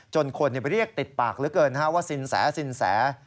คนเรียกติดปากเหลือเกินว่าสินแสสินแส